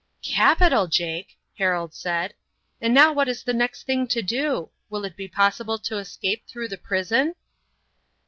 "Capital, Jake!" Harold said. "And now what is the next thing to do? Will it be possible to escape through the prison?"